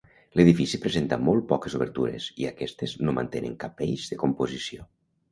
L'edifici presenta molt poques obertures, i aquestes no mantenen cap eix de composició.